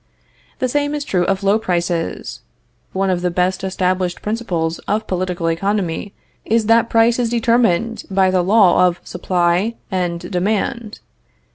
The same is true of low prices. One of the best established principles of political economy is that price is determined by the law of supply and demand.